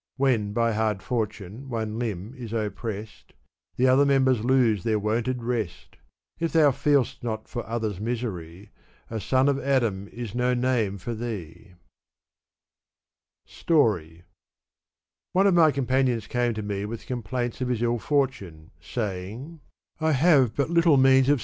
When by hard fortune one limb is oppressed, The other members lose their wonted rest : If thou feel'st not for others' misery, A son of Adam is no name for thee. Story. One of my companions came to me with complaints of his ill fortune, saying, "I have but little means of iTbat is, the day of resurrection. i ♦ Gtdistan; or, Rose Garden.